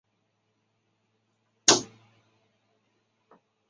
他爷爷时常向希望开一家饭馆的比特传授一些老方法。